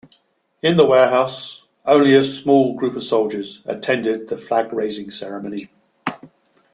In the warehouse, only a small group of soldiers attended the flag-raising ceremony.